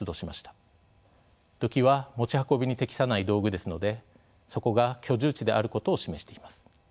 土器は持ち運びに適さない道具ですのでそこが居住地であることを示しています。